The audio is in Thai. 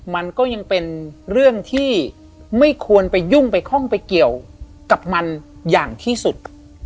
มันก็ยังเป็นเรื่องที่ไม่ควรไปยุ่งไปข้องไปเกี่ยวกับมันอย่างที่สุด